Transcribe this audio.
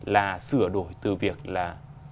là sửa đổi từ việc là